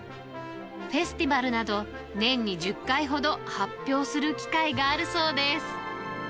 フェスティバルなど、年に１０回ほど、発表する機会があるそうです。